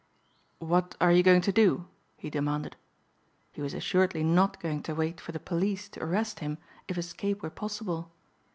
"What are you going to do?" he demanded. He was assuredly not going to wait for the police to arrest him if escape were possible.